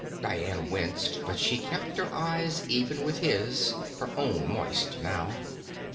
Dian winced, but she kept her eyes even with his, her own moist now.